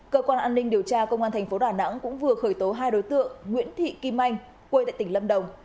cơ quan an ninh điều tra công an thành phố đà nẵng cũng vừa khởi tố hai đối tượng nguyễn thị kim anh quê tại tỉnh lâm đồng